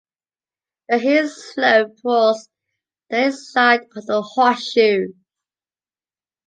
The hills slope towards the inside of the horseshoe.